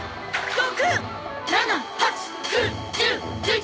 ６！